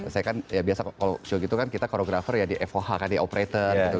saya kan ya biasa kalau show gitu kan kita koreografer ya di foh kan di operator gitu